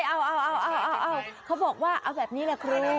เอาเขาบอกว่าเอาแบบนี้แหละครู